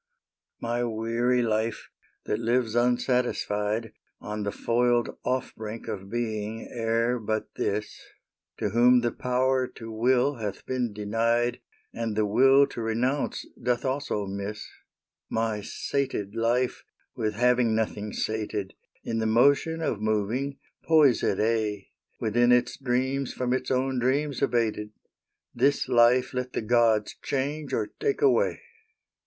My weary life, that lives unsatisfied On the foiled off brink of being e'er but this, To whom the power to will hath been denied And the will to renounce doth also miss; My sated life, with having nothing sated, In the motion of moving poisèd aye, Within its dreams from its own dreams abated— This life let the Gods change or take away.